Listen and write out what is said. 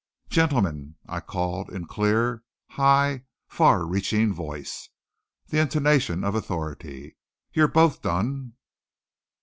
"Gentlemen," I called in clear, high, far reaching voice, the intonation of authority, "you're both done!"